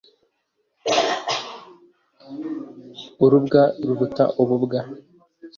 Urubwa ruruta ububwa.